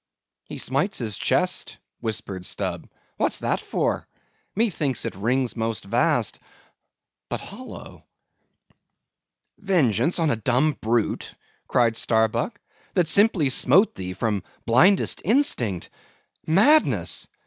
_" "He smites his chest," whispered Stubb, "what's that for? methinks it rings most vast, but hollow." "Vengeance on a dumb brute!" cried Starbuck, "that simply smote thee from blindest instinct! Madness!